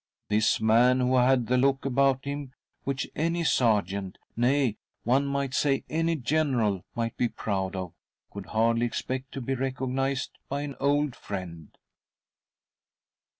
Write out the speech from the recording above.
This main, who had the look about him which any sergeant — nay ! one might say any general— might be proud of, could hardly expect to be recognised by an old friend.